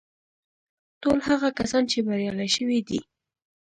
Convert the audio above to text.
ټول هغه کسان چې بريالي شوي دي.